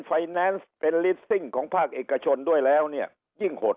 แนนซ์เป็นลิสซิ่งของภาคเอกชนด้วยแล้วเนี่ยยิ่งหด